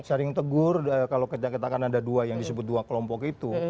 sering tegur kalau kita katakan ada dua yang disebut dua kelompok itu